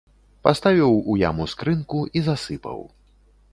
Паставіў у яму скрынку і засыпаў.